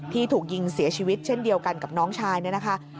ที่ถูกยิงเสียชีวิตเช่นเดียวกันกับน้องชายเนี่ยนะคะ